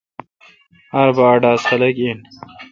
آر بھا ا ڈاس خلق این۔